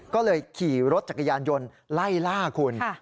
ก็เลยขี่รถจักรยานยนต์ไล่ล่าคุณ